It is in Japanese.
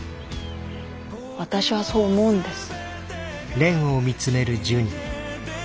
私はそう思うんです。